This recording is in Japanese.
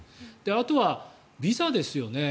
あとはビザですよね。